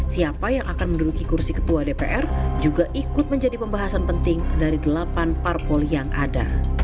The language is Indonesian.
siapa yang akan menduduki kursi ketua dpr juga ikut menjadi pembahasan penting dari delapan parpol yang ada